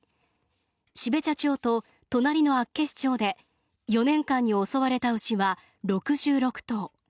標茶町と隣の厚岸町で４年間に襲われた牛は６６頭。